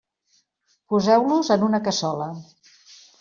Poseu-los en una cassola.